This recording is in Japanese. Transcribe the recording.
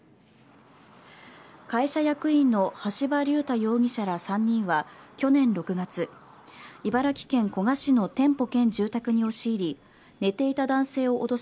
会社役員の橋場龍太容疑者ら３人は去年６月茨城県古河市の店舗兼住宅に押し入り寝ていた男性を脅し